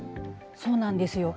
そうなんですよ。